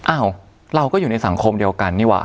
อ้าวเราก็อยู่ในสังคมเดียวกันนี่ว่